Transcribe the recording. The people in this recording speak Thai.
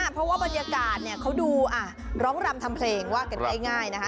เพราะว่าบรรยากาศเขาดูร้องรำทำเพลงว่ากันง่ายนะคะ